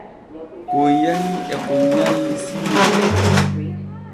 Kon yaha e kon nyalli siire.